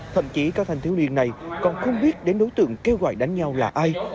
thậm chí các thanh thiếu niên này còn không biết đến đối tượng kêu gọi đánh nhau là ai